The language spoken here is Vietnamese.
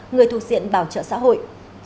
người thuộc diện bảo trợ xã hội